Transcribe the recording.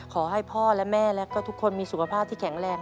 ขอให้พ่อและแม่และก็ทุกคนมีสุขภาพที่แข็งแรง